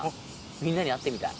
みんなに会ってみたい。